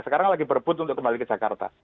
sekarang lagi berebut untuk kembali ke jakarta